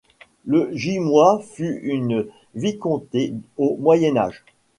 Le Gimois fut une vicomté au Moyen Âge.